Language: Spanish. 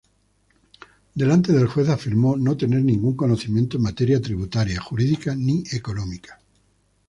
Delante del juez afirmó no tener ningún conocimiento en materia tributaria, jurídica ni económica.